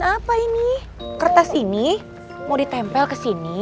saya ingin selcrire komponen